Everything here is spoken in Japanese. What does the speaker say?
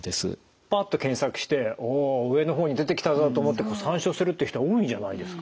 パッと検索して「おお上の方に出てきたぞ」と思って参照するって人は多いんじゃないですか？